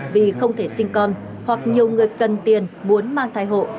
vì không thể sinh con hoặc nhiều người cần tiền muốn mang thai hộ